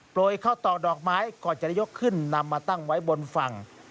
เข้าต่อดอกไม้ก่อนจะยกขึ้นนำมาตั้งไว้บนฝั่ง